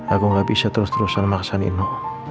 aku nggak bisa terus terusan maksa nino